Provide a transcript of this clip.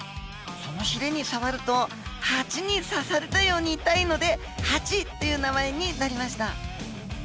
そのひれに触るとハチに刺されたように痛いので「ハチ」っていう名前になりました。